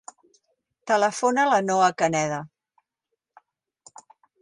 Telefona a la Noha Caneda.